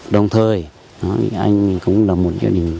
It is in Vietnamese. đồng thời anh ấy cũng là một gia đình